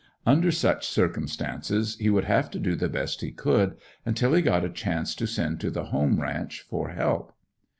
Under such circumstances he would have to do the best he could until he got a chance to send to the "home ranch" for help.